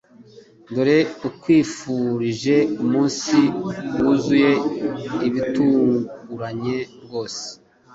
Dore nkwifurije umunsi wuzuye ibitunguranye rwose